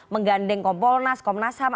menggandeng kompolnas komnas ham